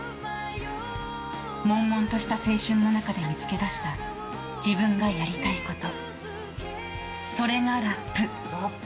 悶々とした青春の中で見つけ出した自分がやりたいことそれがラップ。